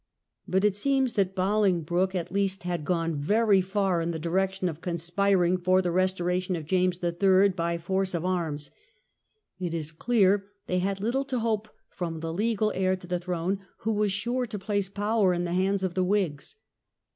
But it seems that Boling 128 DEATH OF QUEEN ANNE. broke at least had gone very far in the direction of con spiring for the restoration of James III. by force of arms. It is clear they had little to hope from the legal heir to the throne, who was sure to place power in the hands of the Whigs.